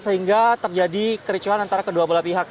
sehingga terjadi kericuan antara kedua belah pihak